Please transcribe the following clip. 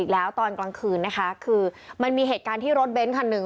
แล้วตอนกลางคืนนะคะคือมันมีเหตุการณ์ที่รถเบนท์คันหนึ่ง